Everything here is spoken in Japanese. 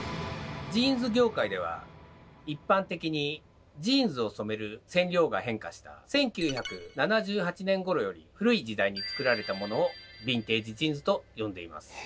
ジーンズ業界では一般的にジーンズを染める染料が変化した１９７８年ごろより古い時代に作られたモノをヴィンテージジーンズと呼んでいます。